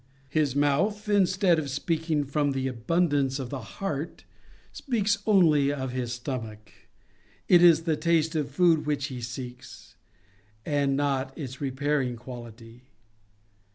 His mouth, instead of speaking from the abun dance of the heart, speaks only of his stomach. It is the taste of food which he seeks, and not its repairing quality.